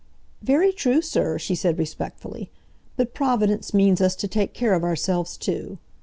"Very true, sir," she said respectfully. "But Providence means us to take care o' ourselves too."